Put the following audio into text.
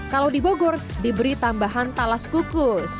kalau di bogor diberi tambahan talas kukus